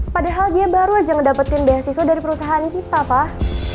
padahal dia baru aja mendapatkan beasiswa dari perusahaan kita pak